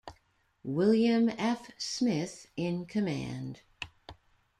William F. Smith in command.